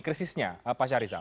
krisisnya pak syahrizal